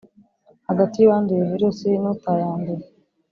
hagati y’uwanduye virusi n’utayanduye.